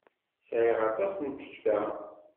Sɛiɣ aṭas n tekta!